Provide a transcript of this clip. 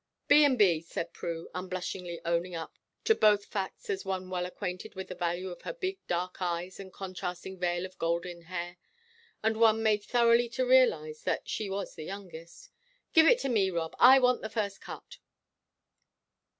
"B. and B.," said Prue, unblushingly owning up to both facts as one well acquainted with the value of her big dark eyes and contrasting veil of golden hair, and one made thoroughly to realize that she was the youngest. "Give it to me, Rob; I want the first cut."